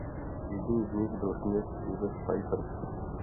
Jedním z nich byl kněz Josef Seifert.